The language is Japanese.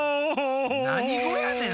なにごやねん？